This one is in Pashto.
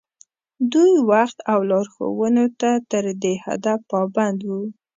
دوی وخت او لارښوونو ته تر دې حده پابند وو.